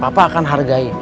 papa akan hargai